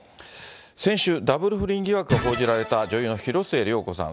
先週、ダブル不倫疑惑が報じられた、女優の広末涼子さん。